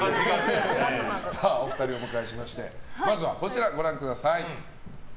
お二人をお迎えしてまずはこちらをご覧ください。